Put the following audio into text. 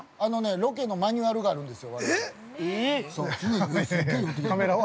◆ロケのマニュアルがあるんですよ、我々は。